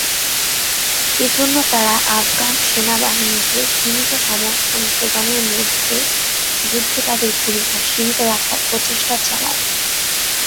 এজন্য তারা আফগান সেনাবাহিনীকে সীমিত সমর্থন প্রদানের মধ্যে যুদ্ধে তাদের ভূমিকা সীমিত রাখার প্রচেষ্টা চালায়।